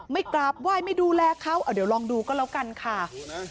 กราบไหว้ไม่ดูแลเขาเดี๋ยวลองดูก็แล้วกันค่ะ